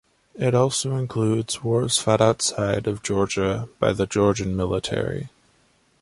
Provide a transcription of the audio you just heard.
It also includes wars fought outside of Georgia by Georgian military.